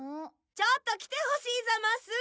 ちょっと来てほしいざます！